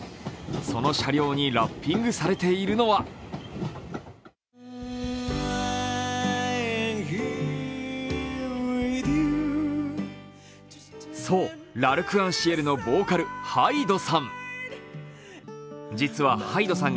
その車両にラッピングされているのはそう、Ｌ’ＡｒｃｅｎＣｉｅｌのボーカル、ＨＹＤＥさん。